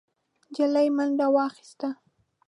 نجلۍ منډه واخيسته.